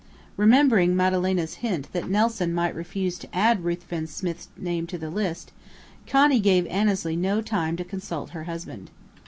Remembering Madalena's hint that Nelson might refuse to add Ruthven Smith's name to the list, Connie gave Annesley no time to consult her husband.